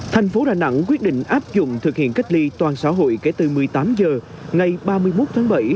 thành phố đà nẵng quyết định áp dụng thực hiện cách ly toàn xã hội kể từ một mươi tám h ngày ba mươi một tháng bảy